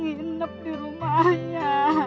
nginep di rumahnya